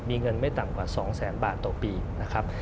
มีเงินไม่ต่ำกว่า๒แสนบาทต่อปีนะครับ